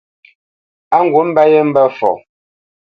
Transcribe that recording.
Á ŋgǔt mbə̄ yé mbə̄ fɔ.